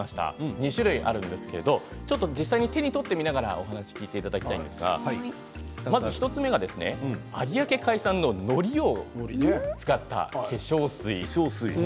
２種類あるんですが手に取ってみながらお話を聞いていただきたいんですが１つ目は有明海産ののりを使った化粧水。